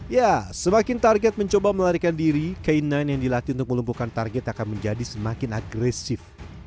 ya semakin target mencoba melarikan diri k sembilan yang dilatih untuk melumpuhkan target akan menjadi semakin agresif